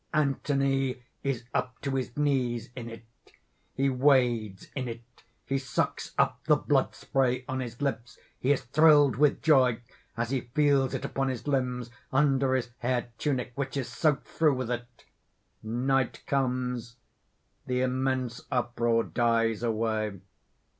_ _Anthony is up to his knees in it. He wades in it; he sucks up the blood spray on his lips; he is thrilled with joy as he feels it upon his limbs, under his hair tunic which is soaked through with it._ _Night comes. The immense uproar dies away.